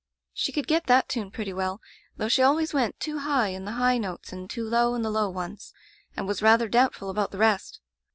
* "She could get that tune pretty well, though she always went too high in the high notes and too low in the low ones, and was rather doubtful about the rest.